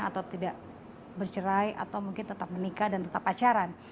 atau tidak bercerai atau mungkin tetap menikah dan tetap pacaran